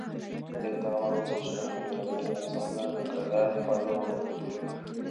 دې ته امر وشو چې له مدیترانې سمندره د کارائیب خوا ته وخوځېږي.